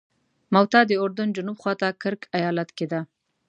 موته د اردن جنوب خواته کرک ایالت کې ده.